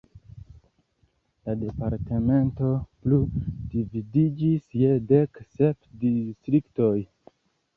La departemento plu dividiĝis je dek sep distriktoj.